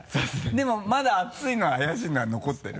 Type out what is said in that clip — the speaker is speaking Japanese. でもまだ熱いの怪しいのは残ってる？